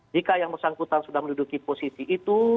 jika yang bersangkutan sudah menduduki posisi itu